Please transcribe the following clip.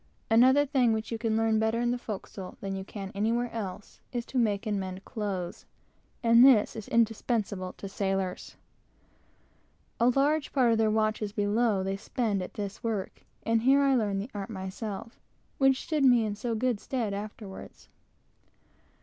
Another thing which you learn better in the forecastle than you can anywhere else, is, to make and mend clothes, and this is indispensable to sailors. A large part of their watches below they spend at this work, and here I learned that art which stood me in so good stead afterwards.